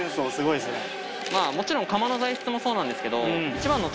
まぁもちろん釜の材質もそうなんですけど。